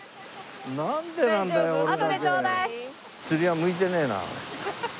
釣りは向いてねえな。